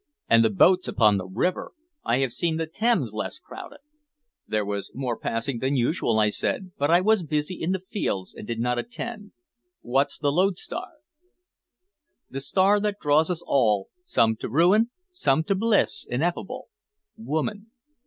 And the boats upon the river! I have seen the Thames less crowded." "There was more passing than usual," I said; "but I was busy in the fields, and did not attend. What's the lodestar?" "The star that draws us all, some to ruin, some to bliss ineffable, woman."